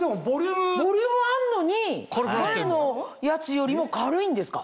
ボリュームあるのに前のやつよりも軽いんですか！